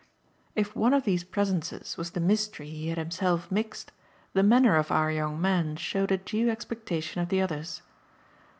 If one of these presences was the mystery he had himself mixed the manner of our young men showed a due expectation of the others.